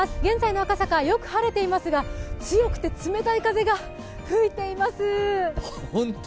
現在の赤坂、よく晴れていますが、強くて冷たい風が吹いています。